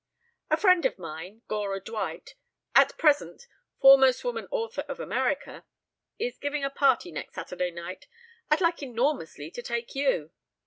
"A friend of mine, Gora Dwight at present 'foremost woman author of America' is giving a party next Saturday night. I'd like enormously to take you."